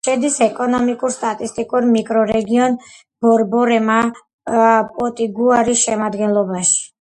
შედის ეკონომიკურ-სტატისტიკურ მიკრორეგიონ ბორბორემა-პოტიგუარის შემადგენლობაში.